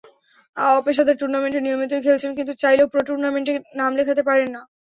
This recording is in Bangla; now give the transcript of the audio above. অপেশাদার টুর্নামেন্টে নিয়মিতই খেলছেন, কিন্তু চাইলেও প্রো-টুর্নামেন্টে নাম লেখাতে পারেন না।